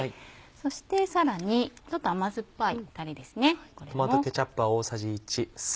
そしてさらにちょっと甘酸っぱいタレですね。